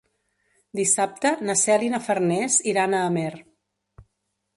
Dissabte na Cel i na Farners iran a Amer.